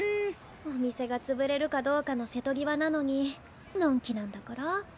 お店が潰れるかどうかの瀬戸際なのにのんきなんだから。